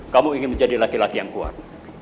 kamu ingin menjadi laki laki yang kuat